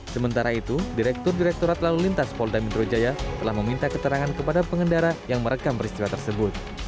sementara itu direktur direkturat lalu lintas polda metro jaya telah meminta keterangan kepada pengendara yang merekam peristiwa tersebut